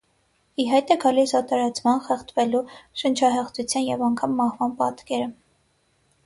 Ի հայտ է գալիս օտարացման, խեղդվելու, շնչահեղձության և անգամ մահվան պատկերը։